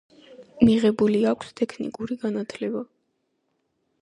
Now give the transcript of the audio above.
მიღებული აქვს ტექნიკური განათლება.